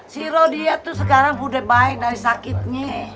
si roh dia tuh sekarang udah baik dari sakitnya